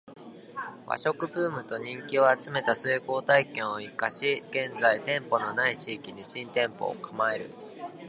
ⅰ 和食ブームと人気を集めた成功体験を活かし現在店舗の無い地域に新店舗を構える